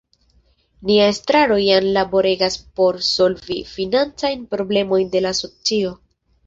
Nia Estraro jam laboregas por solvi la financajn problemojn de la Asocio.